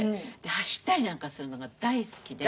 走ったりなんかするのが大好きで。